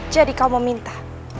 jadi kau meminta